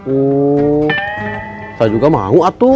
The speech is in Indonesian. oh saya juga mau atu